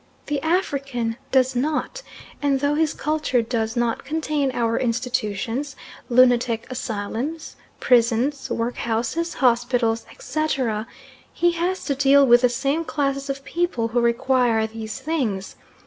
The African does not; and though his culture does not contain our institutions, lunatic asylums, prisons, workhouses, hospitals, etc., he has to deal with the same classes of people who require these things.